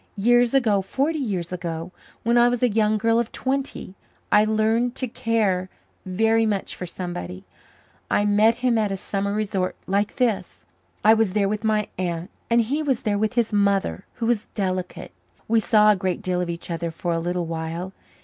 Years ago forty years ago when I was a young girl of twenty, I learned to care very much for somebody. I met him at a summer resort like this. I was there with my aunt and he was there with his mother, who was delicate. We saw a great deal of each other for a little while.